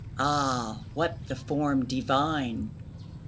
Ah, what the form divine!